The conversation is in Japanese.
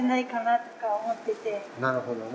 なるほどね。